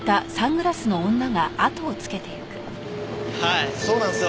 はいそうなんすよ。